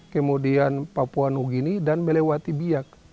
kemudian papua new guinea dan melewati biak